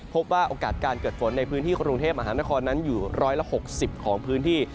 โอกาสการเกิดฝนในพื้นที่กรุงเทพมหานครนั้นอยู่๑๖๐ของพื้นที่